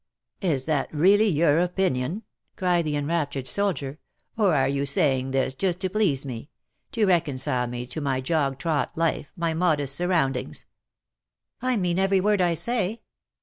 ^^" Is that really your opinion ?" cried the enrap tured soldier; '^^or are you saying this just to please me — to reconcile me to my jog trot life, my modest surroundings ?'^ '^1 mean every word I say."